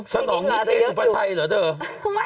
สนองนิดเอ็นส์หรือเปล่าใช่เหรอเจ้า